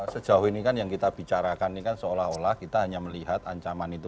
sejauh ini kan yang kita bicarakan ini kan seolah olah kita hanya melihat ancaman itu